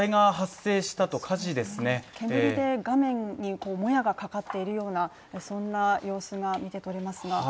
煙で画面にもやがかかっているような様子が見て取れます。